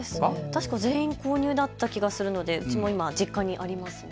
確か全員購入だった気がするので私も今、実家にあります。